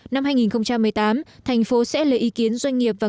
năm hai nghìn một mươi tám thành phố sẽ lấy ý kiến doanh nghiệp và